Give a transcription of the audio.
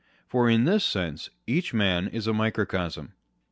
For in this sense each man is a microcosm.